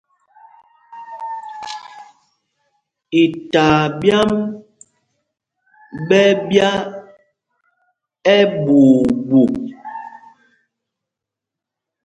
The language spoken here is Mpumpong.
Itaa ɓyǎm ɓɛ́ ɛ́ ɓya ɛɓuu ɓuu.